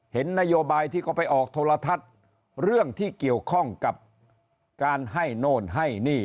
เห็นนโยบายที่เขาไปออกโทรทัศน์เรื่องที่เกี่ยวข้องกับการให้โน่นให้นี่